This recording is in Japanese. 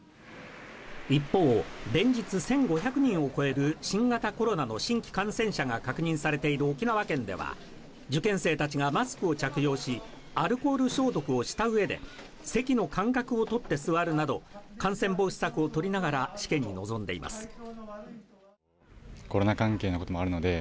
一方連日１５００人を超える新型コロナの新規感染者が確認されている沖縄県では受験生たちがマスクを着用しアルコール消毒をした上で席の間隔を取って座るなど感染防止策をとりながら試験に臨んでいます